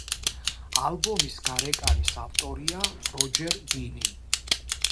ალბომის გარეკანის ავტორია როჯერ დინი.